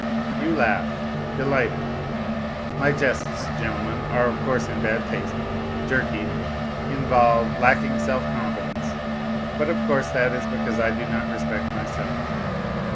You laugh ? Delighted. My jests, gentlemen, are of course in bad taste, jerky, involved, lacking self confidence. But of course that is because I do not respect myself.